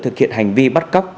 thực hiện hành vi bắt cóc